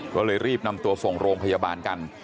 ก็เลยรีบนำตัวส่งโรงพยาบาลกัน